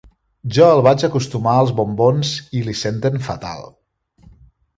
Jo el vaig acostumar als bombons i li senten fatal.